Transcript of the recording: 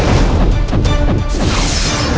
aku ingin menemukan kekuatanmu